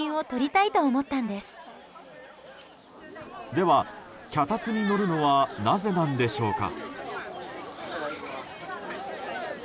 では、脚立に乗るのはなぜなんでしょうか。